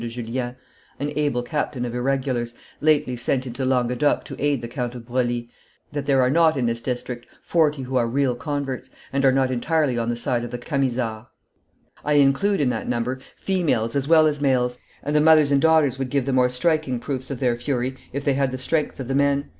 de Julien, an able captain of irregulars, lately sent into Languedoc to aid the Count of Broglie, "that there are not in this district forty who are real converts, and are not entirely on the side of the Camisards. I include in that number females as well as males, and the mothers and daughters would give the more striking proofs of their fury if they had the strength of the men.